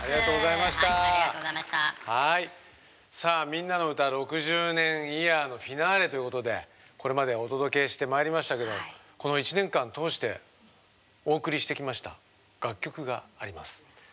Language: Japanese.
さあ「みんなのうた６０年イヤー」のフィナーレということでこれまでお届けしてまいりましたけどこの一年間通してお送りしてきました楽曲があります。